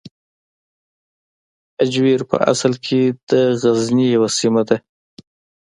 هجویر په اصل کې د غزني یوه سیمه ده.